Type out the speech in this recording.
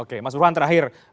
oke mas buruhan terakhir